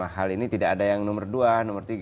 hal ini tidak ada yang nomor dua nomor tiga